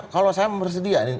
kalau saya bersedia